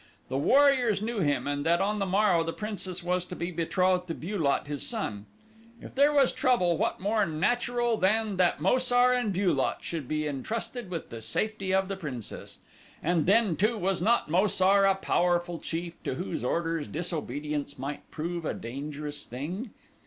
The warriors knew him and that on the morrow the princess was to be betrothed to Bu lot, his son. If there was trouble what more natural than that Mo sar and Bu lot should be intrusted with the safety of the princess. And then, too, was not Mo sar a powerful chief to whose orders disobedience might prove a dangerous thing?